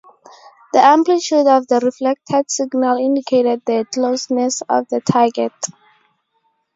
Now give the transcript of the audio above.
The amplitude of the reflected signal indicated the closeness of the target.